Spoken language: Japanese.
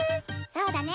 そうだね。